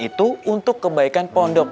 itu untuk kebaikan pondok